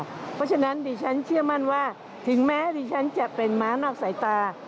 เพราะฉะนั้นดิฉันเชื่อมั่นว่าถึงแม้ดิฉันจะเป็นม้านอกสายตา